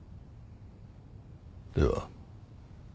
では。